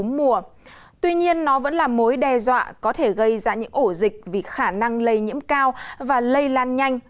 tuy nhiên nó vẫn là mối đe dọa có thể gây ra những ổ dịch vì khả năng lây nhiễm cao và lây lan nhanh